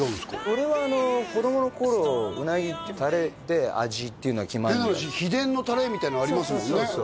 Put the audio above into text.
俺は子供の頃うなぎってタレで味っていうのは決まる変な話秘伝のタレみたいなのありますもんね